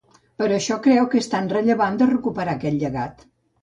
Per això creu que és tan rellevant de recuperar aquest llegat.